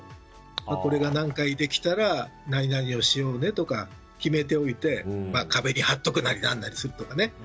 これが何回できたら何々をしようねとか決めておいて壁に貼っておくなりなんなりするとかね。